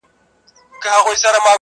مار له غاره ځالګۍ ته سو وروړاندي -